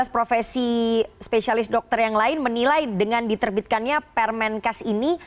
lima belas profesi spesialis dokter yang lain menilai dengan diterbitkannya permen kas ini